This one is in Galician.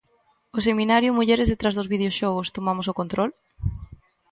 O seminario "Mulleres detrás dos videoxogos, tomamos o control?"